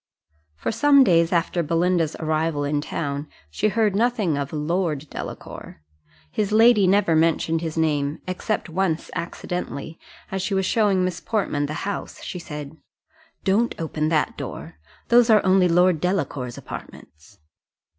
For some days after Belinda's arrival in town she heard nothing of Lord Delacour; his lady never mentioned his name, except once accidentally, as she was showing Miss Portman the house, she said, "Don't open that door those are only Lord Delacour's apartments."